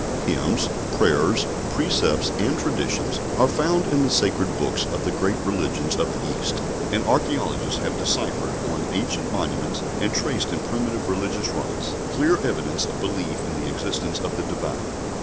Hymns, prayers, precepts, and traditions are found in the sacred books of the great religions of the East, and archaeologists have deciphered on ancient monuments, and traced in primitive religious rites, clear evidence of belief in the existence of the Divine.